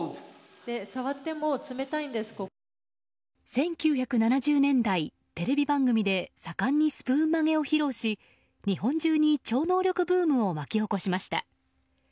１９７０年代、テレビ番組で盛んにスプーン曲げを披露し日本中に超能力ブームを巻き起こしました。